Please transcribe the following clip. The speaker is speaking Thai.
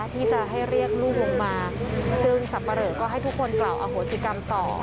ที่จะให้เรียกลูกลงมาซึ่งสับปะเหลอก็ให้ทุกคนกล่าวอโหสิกรรมต่อ